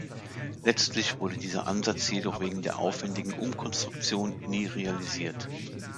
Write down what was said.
Letztlich wurde dieser Ansatz jedoch wegen der aufwändigen Umkonstruktion nie realisiert.